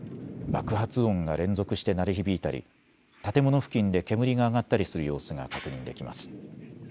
爆発音が連続して鳴り響いたり建物付近で煙が上がったりする様子が確認できます。